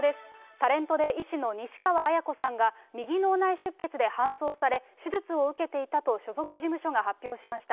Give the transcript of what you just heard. タレントで医師の西川史子さんが右脳内出血で搬送され、手術を受けていたと所属事務所が発表しました。